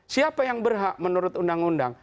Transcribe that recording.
siapa yang berhak menurut undang undang